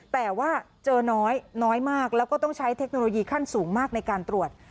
แต่ว่าเจอน้อยน้อยมากแล้วก็ต้องใช้เทคโนโลยีขั้นสูงมากในการตรวจ